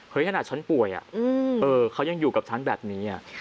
เฮ้ยถ้าหนักฉันป่วยอะเออเขายังอยู่กับฉันแบบนี้อะ